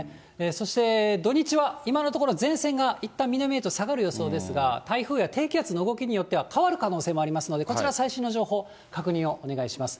そして土日は、今のところ、前線がいったん南へと下がる予想ですが、台風や低気圧の動きによっては変わる可能性もありますので、こちら最新の情報を確認をお願いします。